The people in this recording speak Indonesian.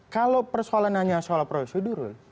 kalau persoalan hanya soal prosedur